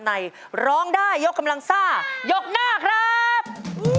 ร้องได้ยกกำลังซ่ายกหน้าครับ